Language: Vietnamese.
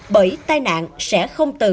bởi tai nạn sẽ không được